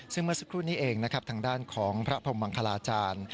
ซึ่งเมื่อสักครู่นี้เองนะครับทางด้านของพระพรมมังคลาจารย์